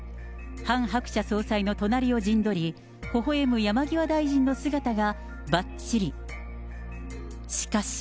ハン・ハクチャ総裁の隣を陣取り、ほほえむ山際大臣の姿がばっちり。